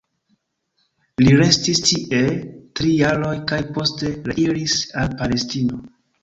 Li restis tie tri jaroj, kaj poste reiris al Palestino.